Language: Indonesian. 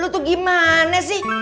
lu tuh gimana sih